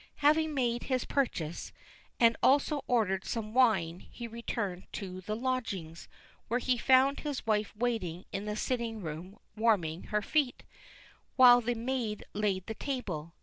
Having made his purchase, and also ordered some wine, he returned to the lodgings, where he found his wife waiting in the sitting room warming her feet, while the maid laid the table.